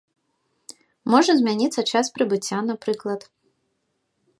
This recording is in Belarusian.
Можа змяніцца час прыбыцця, напрыклад.